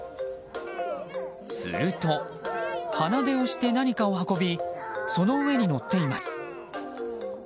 すると、鼻で押して何かを運びその上に乗っています。